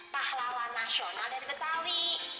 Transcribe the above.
pahlawan nasional dari betawi